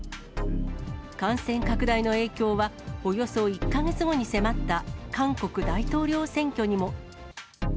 感染拡大の影響は、およそ１か月後に迫った韓国大統領選挙にも。